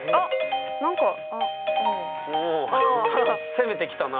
攻めてきたな。